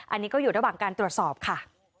อันนี้ก็อยู่ระหว่างการตรวจสอบค่ะ